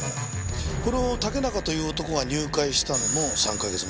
この竹中という男が入会したのも３カ月前。